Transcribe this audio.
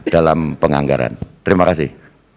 dalam penganggaran terima kasih